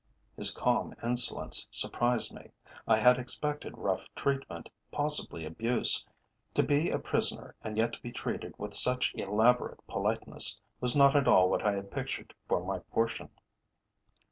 His calm insolence surprised me. I had expected rough treatment, possibly abuse; to be a prisoner and yet to be treated with such elaborate politeness was not at all what I had pictured for my portion.